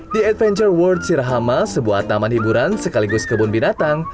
di adventure world cirahama sebuah taman hiburan sekaligus kebun binatang